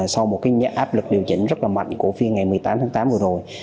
sau một áp lực điều chỉnh rất là mạnh của phiên ngày một mươi tám tháng tám vừa rồi